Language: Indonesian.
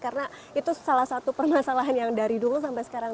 karena itu salah satu permasalahan yang dari dulu sampai sekarang